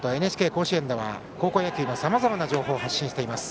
「ＮＨＫ甲子園」では高校野球のさまざまな情報を発信しています。